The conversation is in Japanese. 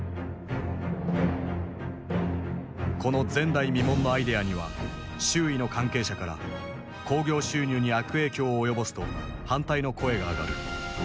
この前代未聞のアイデアには周囲の関係者から興行収入に悪影響を及ぼすと反対の声が上がる。